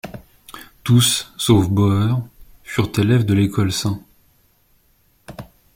Tous, sauf Bauer, furent élèves de l'école St.